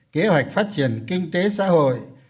kế hoạch phát triển kinh tế xã hội